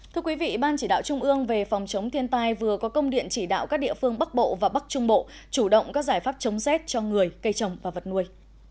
thưa quý vị ban chỉ đạo trung ương về phòng chống thiên tai vừa có công điện chỉ đạo các địa phương bắc bộ và bắc trung bộ chủ động các giải pháp chống rét cho người cây trồng và vật nuôi